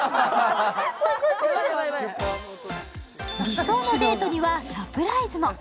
理想のデートにはサプライズも。